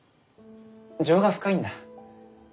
情が深いんだ。